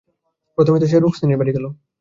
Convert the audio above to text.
প্রথমেই তো সে রুক্মিণীর বাড়ি গেল।